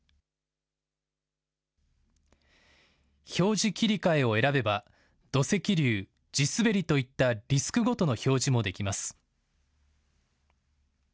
表示切り替えを選べば土石流、地滑りといったリスクごとの表示もできます。